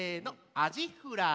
「アジフライの」。